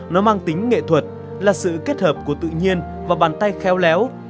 nó mang tính nghệ thuật là sự kết hợp của tự nhiên và bàn tay khéo léo